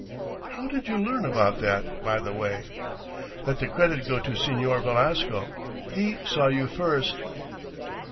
"How did you learn about that, by the way?" "Let the credit go to Señor Velasco. He saw you first."